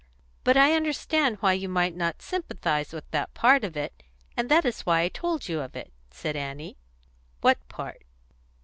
But I understand why you might not sympathise with that part of it, and that is why I told you of it," said Annie. "What part?"